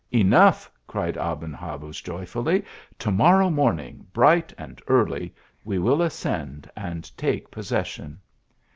" Enough," cried Aben Habuz, joyfully ; "to mor row morning, bright and early, we will ascend and take possession."